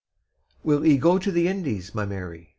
Song—Will Ye Go To The Indies, My Mary?